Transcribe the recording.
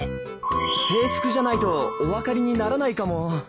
制服じゃないとお分かりにならないかも。